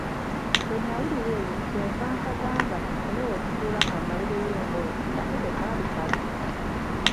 Bwe nawulira ebyo kye nva nkagamba tufune we tutuula kammalireyo emboozi nako tekaali kabi.